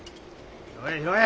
拾え拾え。